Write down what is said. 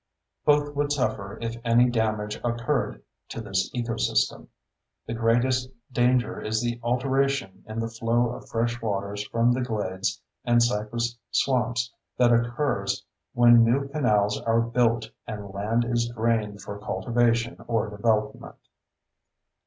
Both would suffer if any damage occurred to this ecosystem. The greatest danger is the alteration in the flow of fresh waters from the glades and cypress swamps that occurs when new canals are built and land is drained for cultivation or development.